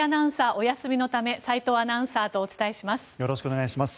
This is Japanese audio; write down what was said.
お休みのため斎藤アナウンサーとお伝えします。